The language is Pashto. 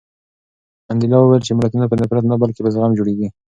منډېلا وویل چې ملتونه په نفرت نه بلکې په زغم جوړېږي.